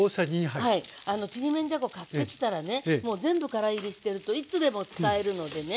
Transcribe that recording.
ちりめんじゃこ買ってきたらねもう全部からいりしてるといつでも使えるのでね